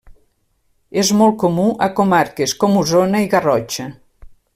És molt comú a comarques com Osona i Garrotxa.